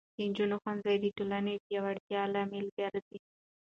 د نجونو ښوونځی د ټولنې پیاوړتیا لامل ګرځي.